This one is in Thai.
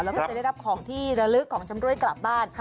แล้วก็จะได้รับของที่ระลึกของชำรวยกลับบ้าน